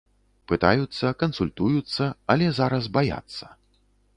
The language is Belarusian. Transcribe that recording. Пытаюцца, кансультуюцца, але зараз баяцца.